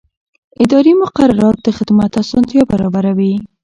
اداري مقررات د خدمت اسانتیا برابروي.